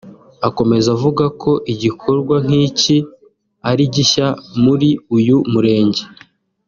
Akomeza avuga ko igikorwa nk’iki ari gishya muri uyu Murenge